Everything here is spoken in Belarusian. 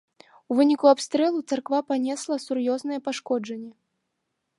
У выніку абстрэлу царква панесла сур'ёзныя пашкоджанні.